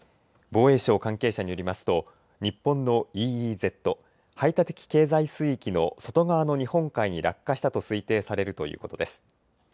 防衛省関係者によりますと日本のＥＥＺ・排他的経済水域の外側の日本海に落下したと推定されるということです。